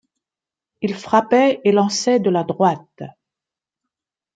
Il frappait et lançait de la droite.